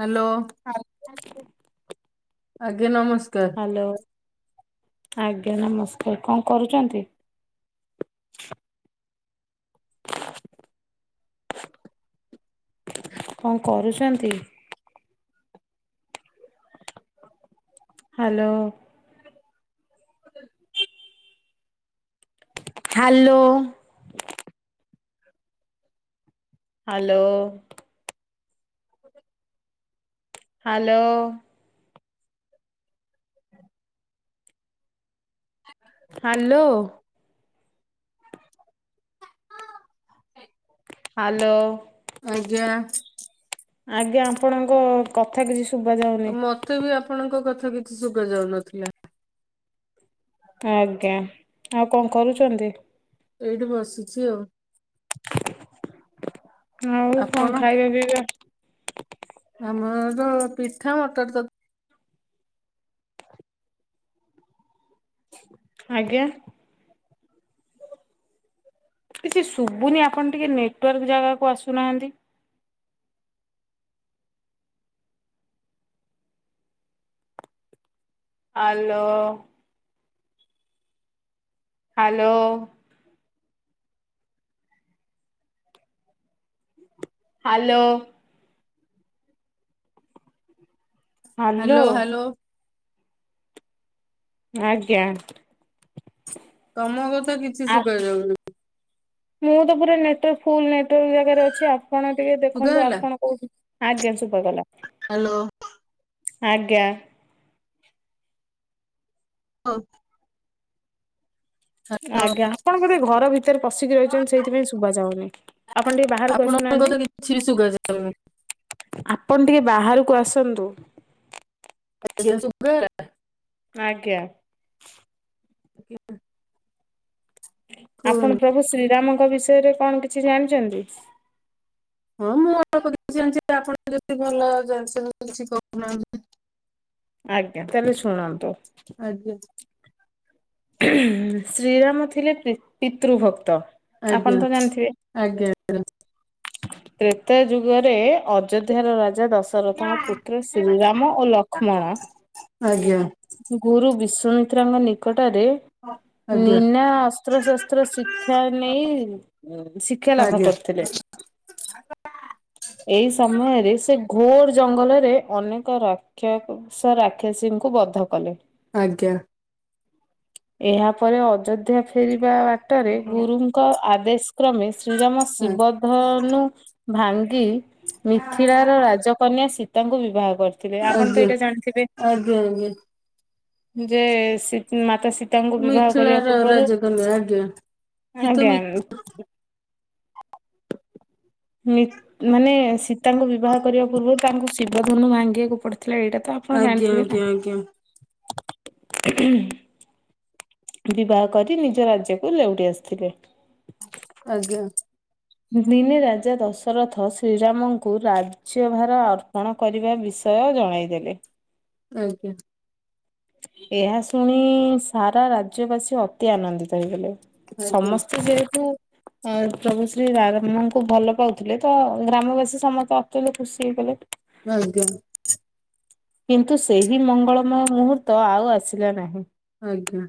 Hello ଆଜ୍ଞା ନମସ୍କାର। Hello ଆଜ୍ଞା ନମସ୍କାର କଣ କରୁଛନ୍ତି? କଣ କରୁଛନ୍ତି? Hello. Hello. Hello. Hello. Hello. Hello. ଆଗିଆଁ। ଆଜ୍ଞା ଆପଣଙ୍କ କଥା କିଛି ଶୁବାଯାଉନି। ମତେ ବି ଆପଣଙ୍କ କଥା କିଛି ଶୁବା ଯାଉନଥୁଲା। ଆଜ୍ଞା ଆଉ କଣ କରୁଚନ୍ତି? ଏଇଠି ବସିଚି ଆଉ। ଆଉ ଆପଣ କଣ ଖାଇବା ପିଇବା? ଆମର ତ ପିଠା ମଟର ତର୍ ଆଜ୍ଞା? କିଛି ଶୁବୁନି ଆପଣ ଟିକି ନେଟୱାର୍କ ଜାଗାକୁ ଆସୁନାହାଁନ୍ତି। Hello. Hello. Hello. Hello hello hello. ଆଜ୍ଞା। ତମ କଥା କିଛି ଶୁବାଯାଉନି। ମୁଁ ତ ପୁରା ନେଟୱାର୍କ ଫୁଲ୍ ନେଟୱାର୍କ ଜାଗାରେ ଅଛି ଆ ଆପଣ ଟିକେ ଶୁଭା ଦେଖନ୍ତୁ ହେଲା। ଆପଣ କୋଉଠି ଆଜ୍ଞା ଶୁବାଗଲା। ହାଲୋ। ଆଜ୍ଞା। ଓ ଆଜ୍ଞା ଆପଣ ବୋଧେ ଘର ଭିତରେ ପଶିକି ରହିଚନ୍ତି ସେଇଥିପାଇଁ ଶୁବାଯାଉନି। ଆପଣ ଟିକେ ବାହାରକୁ ଆପଣଙ୍କ କଥା ଆସୁନାହାନ୍ତି। କିଛି ଶୁବାଯାଉନି। ଆପଣ ଟିକେ ବାହାରକୁ ଆସନ୍ତୁ। ଅଛି ଏବେ ଶୁବାଗଲା? ଆଜ୍ଞା। ଆଜ୍ଞା। ଆପଣ ପ୍ରଭୁ ଶ୍ରୀରାମଙ୍କ ବିଷୟରେ କଣ କିଛି ଜାଣିଚନ୍ତି? ହଁ ମୁଁ ଅଳ୍ପ କିଛି ଜାଣିଚି ଆପଣ ଯଦି ଭଲ ଜାଣିଛନ୍ତି କଣ କିଛି କୋହୁନାହାନ୍ତି। ଆଜ୍ଞା ତାହେଲେ ଶୁଣନ୍ତୁ। ଆଜ୍ଞା। ଶ୍ରୀରାମ ଥିଲେ ପି-ପିତୃଭକ୍ତ। ଆପଣ ଆଜ୍ଞା ତ ଜାଣିଥିବେ? ଆଜ୍ଞା ତ୍ରେତୟା ଯୁଗରେ ଅଯୋଧ୍ୟାର ରାଜା ଦଶ ରଥଙ୍କ ପୁତ୍ର ଶ୍ରୀରାମ ଓ ଲକ୍ଷ୍ମଣ ଆଜ୍ଞା ଗୁରୁ ବିଶ୍ବାମିତ୍ରାଙ୍କ ନିକଟରେ ଆଜ୍ଞା ନିନା ଅସ୍ତ୍ରଶସ୍ତ୍ର ଶିକ୍ଷା ନେଇ ଉଁ ଶିକ୍ଷା ଲାଭ କରୁଥିଲେ। ଆ ଏଇ ସମୟରେ ସେ ଘୋର ଜଙ୍ଗଲରେ ଅନେକ ରାକ୍ଷା ସ ରାକ୍ଷାସୀଙ୍କୁ ବଧ କଲେ। ଆଜ୍ଞା। ଏହା ପରେ ଅଯୋଧ୍ୟା ଫେରିବା ବା ବାଟରେ ଗୁରୁଙ୍କ ଆଦେଶକ୍ରମେ ଶ୍ରୀରାମ ଆ ଶିବ ଧନୁ ଭାଙ୍ଗି ମିଥିଳାର ରାଜକନ୍ୟା ସୀତାଙ୍କୁ ବିବାହ କରି ଯିବେ ଆପଣ ତ ଆଜ୍ଞା ଏଇଟା ଜାଣିଥିବେ। ଆଜ୍ଞା ଆଜ୍ଞା ଯେ ମାତା ସୀ ତାଙ୍କୁ ବିବାହ କରିବା ମିଥିଳାର ପୂର୍ବରୁ ରାଜକନ୍ୟା ଆଜ୍ଞା ସେ ତ ଆଜ୍ଞା ମି ମାନେ ସୀତାଙ୍କୁ ବିବାହ କରିବା ପୂର୍ବରୁ ତାଙ୍କୁ ଶିବଧନୁ ଭାଙ୍ଗିବାକୁ ପଡିଥିଲା। ଏଇଟା ତ ଆପଣ ଆଜ୍ଞା ଜାଣିଥିବେ ନା। ଆଜ୍ଞା ବିବାହ କରି ନିଜ ରାଜ୍ୟକୁ ଲେଉଟି ଆସିଥିଲେ। ଆଜ୍ଞା। ଦିନେ ରାଜା ଦଶରଥ ଶ୍ରୀରାମଙ୍କୁ ରାଜ୍ୟଭାର ଅର୍ପଣ କରିବା ବିଷୟ ଜଣାଇଦେଲେ। ଆଜ୍ଞା। ଏହା ଶୁଣି ସାରା ରାଜ୍ୟବାସୀ ଅତି ଆନନ୍ଦିତ ହେଇଗଲେ। ଆଜ୍ଞା ସମସ୍ତେ ଯେହେତୁ ପ୍ରଭୁ ଶ୍ରୀ ରାମଙ୍କୁ ଭଲ ପାଉଥିଲେ ତ ଗ୍ରାମବାସୀ ସମସ୍ତେ ଅତ୍ୟନ୍ତ ଖୁସି ହେଇଗଲେ। ଆଜ୍ଞା। କିନ୍ତୁ ସେହି ମଙ୍ଗଳମୟ ମୁହୂର୍ତ୍ତ ଆଉ ଆସିଲା ନାହିଁ। ଆଜ୍ଞା।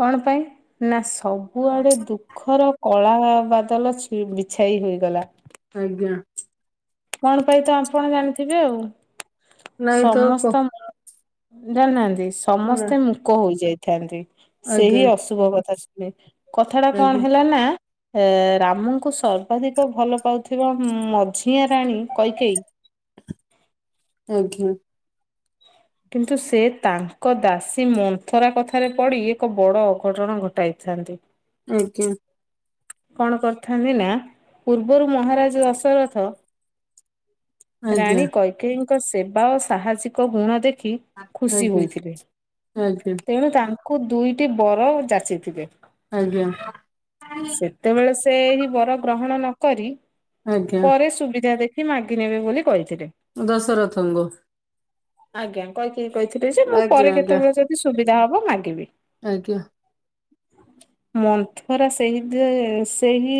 କଣ ପାଇଁ ନା ସବୁଆଡ଼େ ଦୁଃଖ ର କଳା ବାଦଲ ବିଛାଇ ହୋଇଗଲା। ଆଜ୍ଞା। କଣ ପାଇଁ ତ ଆପଣ ଜାଣିଥିବେ ଆଉ। ନାଇଁ ତ କ ସମସ୍ତ ଜାଣିନାହାନ୍ତି ନା ସମସ୍ତେ ମୂକ ହୋଇଯାଇଥାନ୍ତି, ସେହି ଆଜ୍ଞା ଅଶୁଭ କଥା ଶୁଣି। କଥା ଟା କଣ ଆଜ୍ଞା ହେଲା ନା ଏ ରାମଙ୍କୁ ସର୍ବାଧିକ ଭଲ ପାଉଥିବା ମଝିଆ ରାଣୀ କୈକେଇ ଆଜ୍ଞା। କିନ୍ତୁ ସେ ତାଙ୍କ ଦାସୀ ମନ୍ଥରା କଥାରେ ପଡ଼ି ଏକ ବଡ଼ ଅଘଟଣ ଘଟାଇଥାନ୍ତି। ଆଜ୍ଞା। କଣ କରିଥାନ୍ତି ନା ପୂର୍ବରୁ ମହାରାଜ ଦଶରଥ ଆଜ୍ଞା ରାଣୀ କୈକୟୀଙ୍କ ସେବା ଓ ସାହସିକ ଗୁଣ ଦେଖି ଖୁସି ହୋଇଥିବେ। ଆଜ୍ଞା ତେଣୁ ତାଙ୍କୁ ଦୁଇଟି ବର ଯାଚିଥିବେ। ଆଜ୍ଞା। ସେତେବେଳେ ସେ ଏହି ବର ଗ୍ରହଣ ନ କରି, ଆଜ୍ଞା ପରେ ସୁବିଧା ଦେଖି ମାଗିନେବେ ବୋଲି କହିଥିଲେ। ଦଶରଥଙ୍କୁ। ଆଜ୍ଞା କୈକେଇ କହିଥିଲି ଯେ, ମୁଁ ଆଜ୍ଞା ପରେ ଆଜ୍ଞା କେତେବେଳେ ଯଦି ସୁବିଧା ହବ ମାଗିବି। ଆଜ୍ଞା। ମନ୍ଥରା ସ ସେହି ଦି ସେହି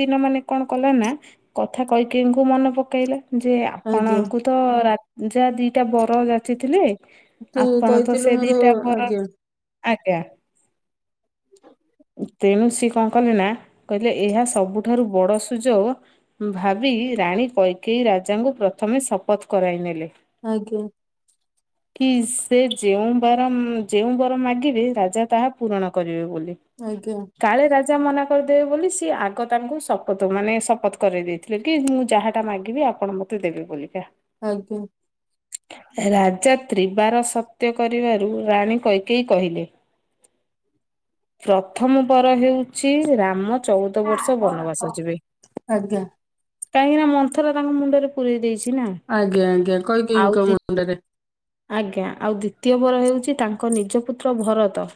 ଦିନ ମାନେ କଣ କଲା ନା କଥା କୈକେୟୀ ଙ୍କୁ ମନେ ପକେଇଲା ଯେ ଆଜ୍ଞା ଆପଣଙ୍କୁ ତ ରାଜା ଦି ଦିଟା ବର ଯାଚିଥିଲେ ତୁ ଆପଣ ତ କହିଥିଲୁ ସେ ମୋର ଦିଟା ବର ଆଜ୍ଞା ଆଜ୍ଞା, ତେଣୁ ସେ କଣ କଲେ ନା କହିଲେ ଏହା ସବୁଠାରୁ ବଡ଼ ସୁଯୋଗ ଭାବିକି ରାଣୀ କୈକେୟୀ ରାଜାଙ୍କୁ ପ୍ରଥମେ ଶପଥ କରାଇନେଲେ। ଆଜ୍ଞା। [inaudible] କି ସେ ଯେଉଁ ବାର ଯେଉଁ ବର ମାଗିବେ ରାଜା ତାହା ପୂରଣ କରିବେ ବୋଲି। ଆଜ୍ଞା। କାଳେ ରା ରାଜା ମନା କରିଦେବେ ବୋଲି ସିଏ ଆଗ ତାଙ୍କୁ ଶପଥ ମାନେ ଶପଥ କରାଇ ଦେଇଥିଲେ କି ମୁଁ ଯାହାଟା ମାଗିବି ଆପଣ ମତେ ଦେବେ ବୋଲିକା। ଆଜ୍ଞା। [inaudible] ରାଜା ତ୍ରିବାର ସତ୍ୟ କରିବାରୁ ରାଣୀ କୈକେୟୀ କହିଲେ ପ୍ରଥମ ବର ହେଉଛି ରାମ ଚଉଦ ବର୍ଷ ବନବାସ ଯିବେ। ଆଜ୍ଞା କାହିଁକି ନା ମନ୍ଥରା ତାଙ୍କ ମୁଣ୍ଡରେ ପୁରେଇ ଦେଇଛି ନା। ଆଜ୍ଞା ଆଜ୍ଞା କୈକେୟୀ ଆଉ ଙ୍କ ଦି ମୁଣ୍ଡରେ। ଆଜ୍ଞା ଆଉ ଦ୍ଵିତୀୟ ବର ହେଉଛି ତାଙ୍କ ନିଜ ପୁତ୍ର ଭରତ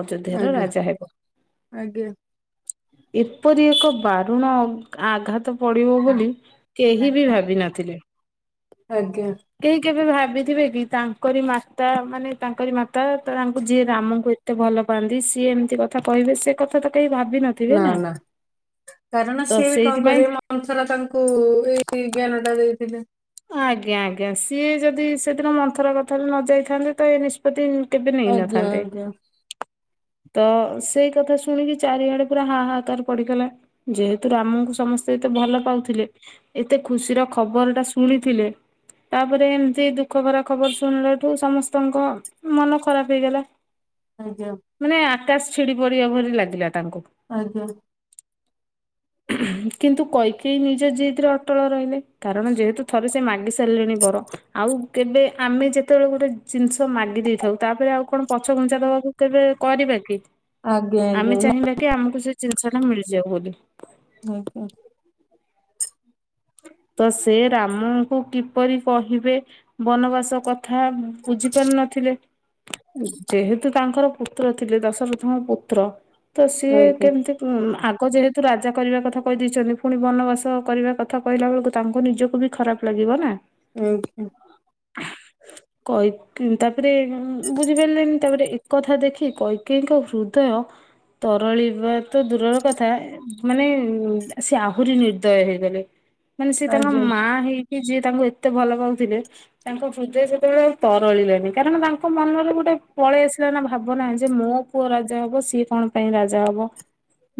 ଅଯୋଧ୍ୟାର ଆଜ୍ଞା ରାଜା ହେବ। ଆଜ୍ଞା। ଏପରି ଏକ ବାରୁଣ ଆଘାତ ପଡିବ ବୋଲି କେହି ବି ଭାବି ନଥିଲେ। ଆଜ୍ଞା କେହି କେବେ ଭାବିଥିବେ କି ତାଙ୍କରି ମାତା ମାନେ ତାଙ୍କରି ମାତା ତାଙ୍କୁ ଯିଏ ରାମଙ୍କୁ ଏ ତେ ଭଲ ପାଆନ୍ତି ସିଏ ଏମିତି କଥା କହିବେ ସେ କଥା ତ କେହି ଭାବିିନ ନା ନା କାରଣ ସେ ବି କଣ ସେଇଥିପାଇଁ କରିବେ ମ ମନ୍ଥରା ତାଙ୍କୁ ଏଇ ଜ୍ଞାନ ଟା ଦେଇଥିଲେ। ଆଜ୍ଞା ଆଜ୍ଞା ସିଏ ଯଦି ସେଦିନ ମନ୍ଥରା କଥାରେ ନ ଯାଇଥାନ୍ତେ ତ ଏ ତ ଦେନ୍ କେବେ ନେଇ ଆଜ୍ଞା ନଥାନ୍ତେ। ଆଜ୍ଞା ତ ସେଇ କଥା ଶୁଣିକି ଚାରିଆଡେ ପୁରା ହା ହା କାର ପଡିଗଲା। ଯେହେତୁ ରାମଙ୍କୁ ସମସ୍ତେ ଏତେ ଭଲ ପାଉଥିଲେ ଏତେ ଖୁସିର ଖବରଟା ଶୁ ଶୁଣିଥିଲେ ତାପରେ ଏମିତି ଦୁଃଖ ଭରା ଖବର ଶୁଣିଲାଠୁ ସମସ୍ତଙ୍କ ମନ ଖରାପ୍ ହେଇଗଲା। ଆଜ୍ଞା। ମାନେ ଆକାଶ ଛିଡ଼ି ପଡିବା ପରି ଲାଗିଲା ତାଙ୍କୁ। ଆଜ୍ଞା। କିନ୍ତୁ କୈକେୟୀ ନିଜ ଜିଦ୍ ରେ ଅଟଳ ରହିଲେ କାରଣ ଯେହେତୁ ଥରେ ସେ ମାଗି ସାରିଲେଣି ବର ଆଉ କେବେ ଆମେ ଯେତେବେଳେ ଗୋଟେ ଜିନିଷ ମାଗି ଦେଇଥାଉ ତାପରେ ଆଉ କଣ ପଛ ଘୁଞ୍ଚା ଦବାକୁ କେବେ କରିବା କି? ଆଜ୍ଞା ଆମେ ଆଜ୍ଞା ଚାହିଁବା କି ଆମକୁ ସେ ଜିନିଷ ଟା ମିଳିଯାଉ ବୋଲି। ଆଜ୍ଞା। ତ ସେ ରାମଙ୍କୁ କିପରି କହିବେ ବନବାସ କଥା ବୁଝି ପାରୁ ନଥିଲେ? ଯେହେତୁ ତାଙ୍କର ପୁତ୍ର ଥିଲେ ଦଶରଥଙ୍କ ପୁତ୍ର ତ ସିଏ ଆଜ୍ଞା କେମିତି ଆଗ ଯେହେତୁ ରାଜା କରିବା କଥା କହିଦେଇଛନ୍ତି ପୁଣି ବନବାସ କରିବା କ ଥା କହିଲା ବେଳକୁ ତାଙ୍କୁ ନିଜକୁ ବି ଖରାପ୍ ଲାଗିବ ନା। ଆଜ୍ଞା। କହି ତାପରେ ବୁଝିପାରିଲଣିି ତାପରେ ଏକଥା ଦେଖି କୈକେଇଙ୍କ ହୃଦୟ ତରଳିବା ତ ଦୂରର କଥା ମାନେ ସେ ଆହୁରି ନିର୍ଦୟ ହେଇଗଲେ। ମାନେ ସେ ଆଜ୍ଞା ତାଙ୍କ ଆଜ୍ଞା ଆଜ୍ଞା ମା ହେଇକି ଯିଏ ତାଙ୍କୁ ଏତେ ଭଲ ପାଉଥିଲେ। ତାଙ୍କ ହୃଦୟ ସେତେବେଳେ ଆ ତରଳିଲାଣିି କାରଣ ତାଙ୍କ ମନରେ ଗୋଟେ ପଳେଇ ଆସିଲା ନା ଭାବନା ଯେ ମୋ ପୁଅ ରାଜା ହବ ସିଏ କଣ ପାଇଁ ରାଜା ହବ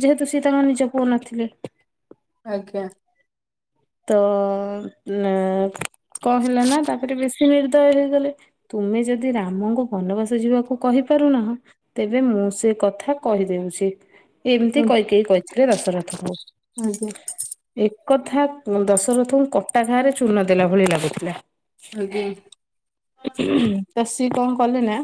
ଯେହେତୁ ସିଏ ତାଙ୍କର ନିଜ ପୁଅ ନଥିଲେ। ଆଜ୍ଞା। ତ ଉ କଣ ହେଲା ନା ତାପରେ ବେଶୀ ର୍ନିଦୟ ହେଇଗଲେ। ତୁମେ ଯଦି ରାମଙ୍କୁ ବନବାସ ଯିବାକୁ କହିପାରୁନାହଁ ତେବେ ମୁଁ ସେ କଥା କହିଦେଉଛି। ଏମିତି କୈକେଇ କହିଥିଲେ ଦଶରଥଙ୍କୁ। ଏକଥା ଦଶରଥଙ୍କୁ କଟା ଘାଁରେ ଚୂନ ଦେଲା ଭଳି ଲାଗୁଥିଲା। ଆଜ୍ଞା। ତ ସେ କଣ କଲେ ନା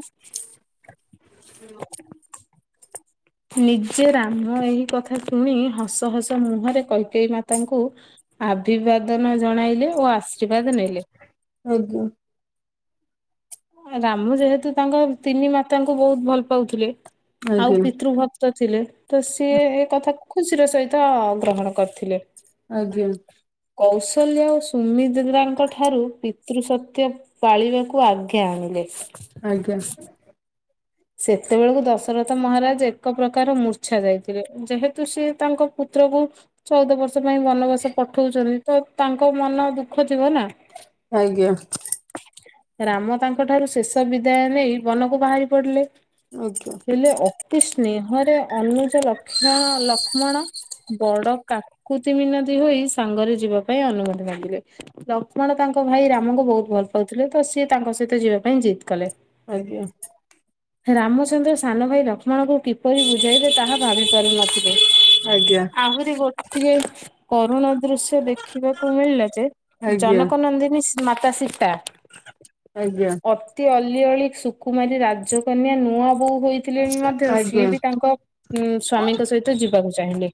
ନିଜେ ରାମ ଏହି କଥା ଶୁଣି ହସ ହସ ମୁହଁରେ କୈକେଇ ମାତାଙ୍କୁ ଆଭିବାଦନ ଜଣାଇଲେ ଓ ଆଶୀର୍ବାଦ ନେଲେ। ଆଜ୍ଞା। ରାମ ଯେହେତୁ ତାଙ୍କ ତିନି ମାତାଙ୍କୁ ବହୁତ ଭଲ ପାଉଥିଲେ ଆଉ ପିତୃଭ କ୍ତ ଥିଲେ ତ ସିଏ ଏ କଥା ଖୁସିର ସହିତ ଗ୍ରହଣ କରିଥିଲେ। ଆଜ୍ଞା। କୌଶଲ୍ୟ ଓ ସୁମିନ୍ଦ୍ରାଙ୍କ ଠାରୁ ପିତୃ ସତ୍ୟ ପାଳିବାକୁ ଆଜ୍ଞା ଆଣିଲେ। ଆଜ୍ଞା। ସେତେବେଳକୁ ଦଶରଥ ମହାରାଜ ଏକ ପ୍ରକାର ମୂର୍ଚ୍ଛା ଯାଇଥିଲେ ଯେହେତୁ ସିଏ ତାଙ୍କ ପୁତ୍ରକୁ ଚଉଦ ବର୍ଷ ପାଇଁ ବନବାସ ପଠଉଛନ୍ତି ତ ତାଙ୍କ ମନ ଦୁଃଖ ଥିବ ନା। ଆଜ୍ଞା। ରାମ ତାଙ୍କଠାରୁ ଶେଷ ବିଦାୟ ନେଇବନକୁ ବାହାରି ପଡିଲେ। ଆଜ୍ଞ ହେଲେ ଅତି ସ୍ନେହରେ ଅନୁଜ ଲକ୍ଷ ଲକ୍ଷ୍ମଣ ବଡ କାକୁତି ମିନଦୀ ହୋଇ ସାଙ୍ଗରେ ଯିବା ପାଇଁ ଅନୁମତି ମାଗିଲେ। ଲକ୍ଷ୍ମଣ ତାଙ୍କ ଭାଇ ରାମଙ୍କୁ ବହୁତ ଭଲ ପାଉଥିଲେ ତ ସିଏ ତାଙ୍କ ସହିତ ଯିବା ପାଇଁ ଜିଦ୍‌ କଲେ। ଆଜ୍ଞା। ରାମଚନ୍ଦ୍ର ସାନ ଭାଇ ଲକ୍ଷ୍ମଣଙ୍କୁ କିପରି ବୁଝାଇବେ ତାହା ଭାବି ପାରୁ ନଥିଲେ। ଆହୁରି ଗୋଟିଏ କରୁଣା ଦୃଶ୍ୟ ଦେଖିବାକୁ ମିଳିଲା ଯେ ଜନକ ନନ୍ଦିନୀ ମାତା ସୀତା ଆଜ୍ଞା। ଅତି ଅଲିଅଳି ଶୁକୁୁମାରି ରା କନ୍ୟା ନୂଆ ବୋହୂ ହୋଇଥିଲେ ବି ମଧ୍ୟ ସିଏ ବି ଆଜ୍ଞା ତାଙ୍କ ଉଁ ସ୍ଵାମୀଙ୍କ ସହିତ ଯିବାକୁ ଚାହିଁଲେ।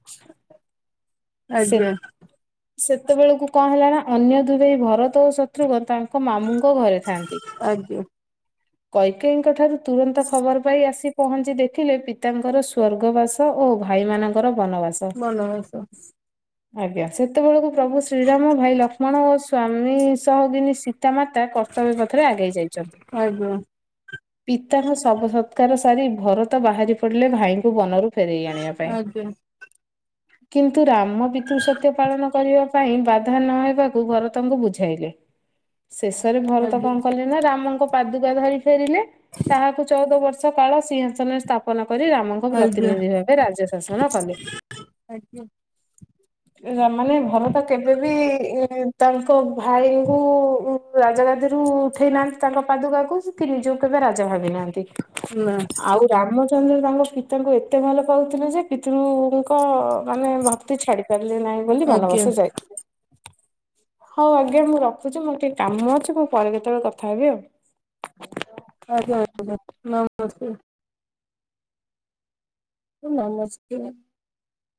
ସେ ଆଜ୍ଞା। ସେତେବେଳକୁ କଣ ହେଲା ନା ଅନ୍ୟ ଦୁଇ ଭାଇ ଭରତ ଓ ଶତ୍ରୁଘ୍ନ ତାଙ୍କ ମାମୁଙ୍କ ଘରେ ଥି ଥାଆନ୍ତି ଆଜ୍ଞା କୈକେଇଙ୍କ ଠାରୁ ତୁରନ୍ତ ଖବର ପାଇ ଆସି ପହଞ୍ଚି ଦେଖିଲେ ପିତାଙ୍କର ସ୍ଵର୍ଗ ବାସ ଓ ଭାଇମାନଙ୍କର ବନବାସ। ବନବାସ ଆଜ୍ଞା। ସେତେବେଳକୁ ପ୍ରଭୁ ଶ୍ରୀରାମ ଭାଇ ଲକ୍ଷ୍ମଣ ଓ ସ୍ଵାମୀ ସହଗିନୀ ସୀତାମା ତା କର୍ତ୍ତବ୍ୟ ପଥରେ ଆଗେଇ ଯାଇଛନ୍ତି। ଆଜ୍ଞା। ପିତାର ସବ ସତ୍କାର ସାରି ଭରତ ବାହାରି ପଡିଲେ ଭାଇଙ୍କୁ ବନରୁ ଫେରେଇ ଆଣିବା ପାଇଁ। ଆଜ୍ଞା କିନ୍ତୁ ରାମ ପିତୃ ସତ୍ୟ ପାଳନ କରିବା ପାଇଁ ବାଧା ନହବାକୁ ଭରତ ଙ୍କୁ ବୁଝାଇଲେ। ଶେଷରେ ଭରତ ଆଜ୍ଞା କଣ କଲେ ନା ରାମଙ୍କ ପାଦୁକା ଧରି ଫେରିଲେ। ତାହାକୁ ଚଉଦ ବର୍ଷ କାଳ ସିଂହାସନରେ ସ୍ଥାପନ କରି ରାମ ଙ୍କ ଆଜ୍ଞା ପ୍ରତିନିଧି ଭାବେ ରାଜ୍ୟ ଶାସନ କଲେ। ଆଜ୍ଞା ମାନେ ଭରତ କେବେବି ତାଙ୍କ ଭାଇଙ୍କୁ ରାଜା ଗାଦିରୁ ଉଠେଇ ନାହାନ୍ତି ତାଙ୍କ ପାଦୁକାକୁ କି ନିଜ କୁ କେବେ ରା ଜା ଭାବିନାହାନ୍ତି ନା ଆଉ ରାମ ରାମଚନ୍ଦ୍ର ତାଙ୍କ ପିତାଙ୍କୁ ଏତେ ଭଲ ପାଉଥିଲା ଯେ ପିତୃ ଙ୍କ ମାନେ ଭକ୍ତି ଛାଡି ପାରିଲେ ନାହିଁ ବୋଲି ବନ ଆଜ୍ଞା ବାସ ଯାଇ ହଉ ଆଜ୍ଞା ମୁଁ ରଖୁଚି ମୋର ଟିକେ କାମ ଅଛି ମୁଁ ପରେ କେତେବେଳେ କଥା ହେବି ଆଉ। ଆଞା। ଆଞା। ନମସ୍କାର। ନମସ୍ତେ।